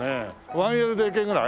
１ＬＤＫぐらい？